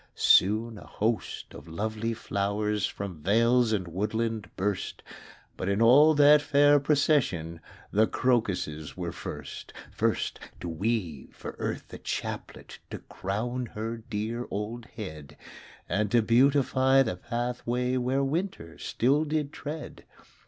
Soon a host of lovely flowers From vales and woodland burst; But in all that fair procession The crocuses were first. First to weave for Earth a chaplet To crown her dear old head; And to beautify the pathway Where winter still did tread.